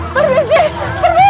permisi permisi permisi